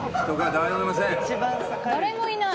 誰もいない。